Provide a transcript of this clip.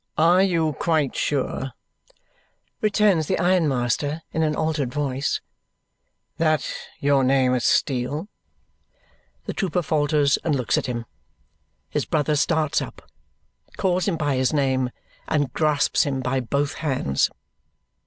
"Are you quite sure," returns the ironmaster in an altered voice, "that your name is Steel?" The trooper falters and looks at him. His brother starts up, calls him by his name, and grasps him by both hands.